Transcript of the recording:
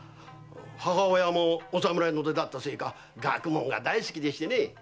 母親もお侍の出だったせいか学問が大好きでしてね。